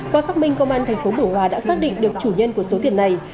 qua xác minh công an thành phố bưu hòa đã xác định được chủ nhân của số tiền này